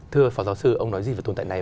thưa phó giáo sư ông nói gì về tồn tại này